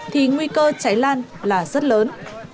thì nguy cơ cháy lan là rất lớn